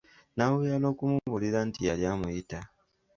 N'amubulira n'okumubuulira nti yali amuyita.